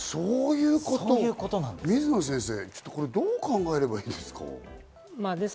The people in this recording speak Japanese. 水野先生、これどう考えればいいんですか？